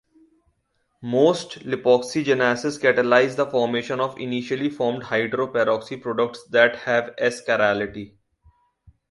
Most lipoxygenases catalyze the formation of initially formed hydroperoxy products that have "S" chirality.